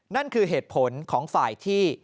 นั่นคือเหตุผลของฝ่ายที่